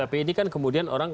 tapi ini kan kemudian orang